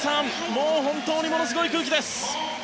もう本当にものすごい空気です。